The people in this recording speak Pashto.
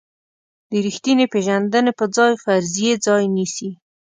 د ریښتینې پېژندنې په ځای فرضیې ځای نیسي.